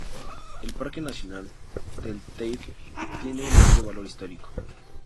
El Parque nacional del Teide tiene un amplio valor histórico.